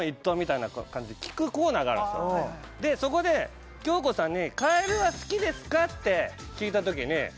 でそこで恭子さんに。